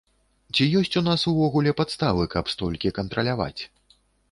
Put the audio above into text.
Ці ёсць у нас увогуле падставы, каб столькі кантраляваць?